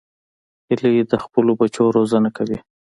هیلۍ د خپلو بچو روزنه کوي